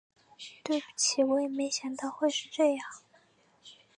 对不起，我也没想到会是这样